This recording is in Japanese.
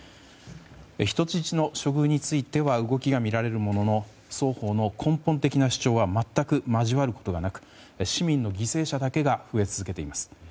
人質の処遇については動きが見られるものの双方の根本的な主張は全く交わることがなく市民の犠牲者だけが増え続けています。